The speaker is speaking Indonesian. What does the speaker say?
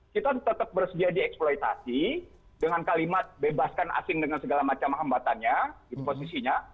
kita tetap bersedia dieksploitasi dengan kalimat bebaskan asing dengan segala macam hambatannya gitu posisinya